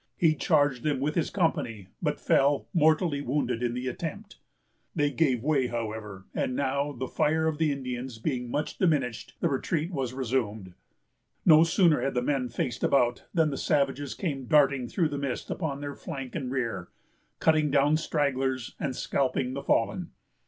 He charged them with his company, but fell, mortally wounded, in the attempt. They gave way, however; and now, the fire of the Indians being much diminished, the retreat was resumed. No sooner had the men faced about, than the savages came darting through the mist upon their flank and rear, cutting down stragglers, and scalping the fallen.